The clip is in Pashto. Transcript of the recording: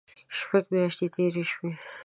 شپږ میاشتې تېرې شوې.